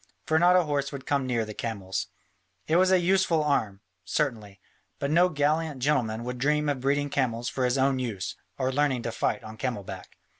For not a horse would come near the camels. It was a useful arm, certainly, but no gallant gentleman would dream of breeding camels for his own use or learning to fight on camel back.